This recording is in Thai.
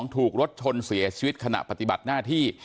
ถูกรถชนเสียชีวิตขณะปฏิบัติหน้าที่